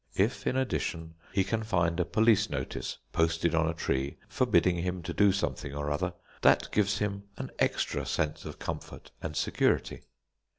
If, in addition, he can find a police notice posted on a tree, forbidding him to do something or other, that gives him an extra sense of comfort and security.